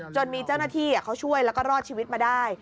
จนมีเจ้าหน้าที่เขาช่วยแล้วก็รอดชีวิตมาได้